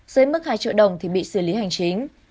dưới mức hai triệu đồng thì bị xử lý hành chính